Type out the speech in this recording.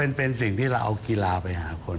เป็นสิ่งที่เราเอากีฬาไปหาคน